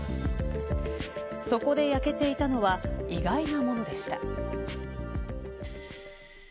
そこで焼けていたのは意外なものでした。